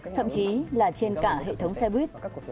thậm chí là trên cả hệ thống xe buýt